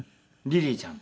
リリーちゃん。